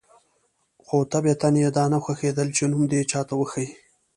خو طبیعتاً یې دا نه خوښېدل چې نوم دې چاته وښيي.